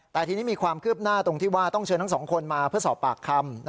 แต่ทีนี้มีความคืบหน้าตรงที่ว่าต้องเชิญทั้งสองคนมาเพื่อสอบปากคำ